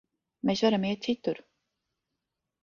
Mēs varam iet citur.